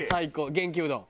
元気うどん。